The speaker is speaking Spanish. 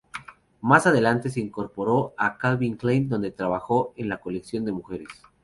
Más tarde, se incorporó a Calvin Klein donde trabajó en la Colección de Mujeres.